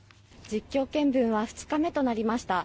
実況見分は２日目となりました。